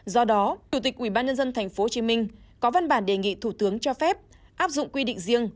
do đó chủ tịch ubnd tp hcm có văn bản đề nghị thủ tướng cho phép áp dụng quy định riêng